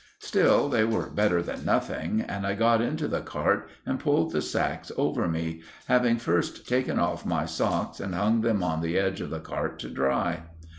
Still they were better than nothing, and I got into the cart and pulled the sacks over me, having first taken off my socks and hung them on the edge of the cart to dry.